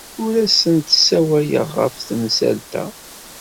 Ur asent-d-ssawaleɣ ɣef temsalt-a.